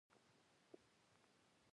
زه پکې هیرو یم او بدماشانو مې بندي کړی یم.